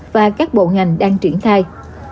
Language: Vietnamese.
và các bộ ngành đang triển thai